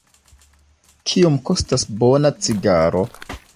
Kiom kostas bona cigaro?